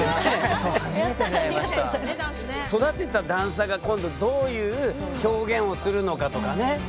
育てたダンサーが今度どういう表現をするのかとかね。